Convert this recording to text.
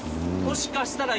もしかしたら。